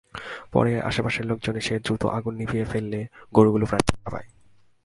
পরে আশপাশের লোকজন এসে দ্রুত আগুন নিভিয়ে ফেললে গরুগুলো প্রাণে রক্ষা পায়।